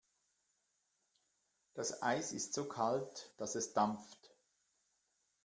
Das Eis ist so kalt, dass es dampft.